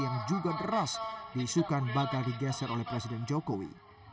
yang juga deras diisukan bakal digeser oleh presiden jokowi